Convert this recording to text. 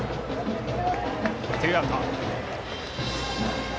ツーアウト。